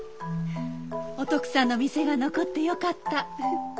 お徳さんの店が残ってよかった。